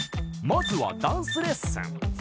まずはダンスレッスン。